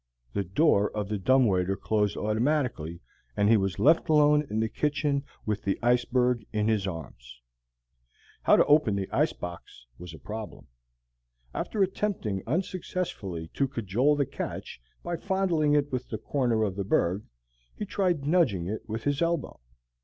The door of the dumb waiter closed automatically, and he was left alone in the kitchen with the iceberg in his arms. How to open the ice box was a problem. After attempting unsuccessfully to cajole the catch by fondling it with the corner of the berg, he tried nudging it with his elbow.